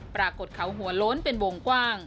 ปรากฏเขาหัวโล้นเป็นวงกว้าง